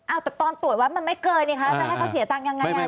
อ้าวแต่ตอนตรวจว่ามันไม่เกินนี่คะแล้วจะให้เขาเสียตังค์ยังไงอาจารย์